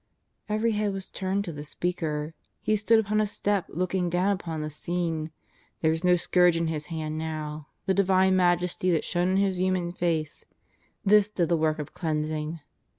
Every head was turned to the Speaker. He stood upon a step looking down upon the scene. There was no scourge in His hand now; the Divine majesty that shone in His human face — this did the work of cleans ing.